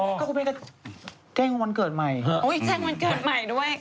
ไม่ได้เจอราศีพ่อ